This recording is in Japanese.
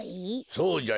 そうじゃよ。